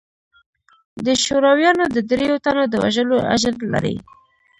د شورويانو د درېو تنو د وژلو اجر لري.